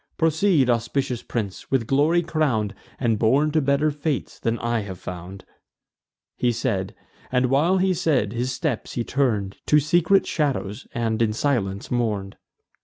Proceed, auspicious prince, with glory crown'd, And born to better fates than I have found." He said; and, while he said, his steps he turn'd To secret shadows, and in silence mourn'd.